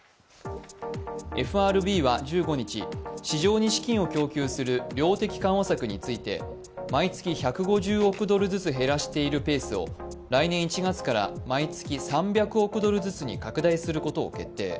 ＦＲＢは１５日、市場に資金を供給する量的緩和策について毎月１５０億ドルずつ減らしているペースを来年１月から毎月３００億ドルずつに拡大することを決定。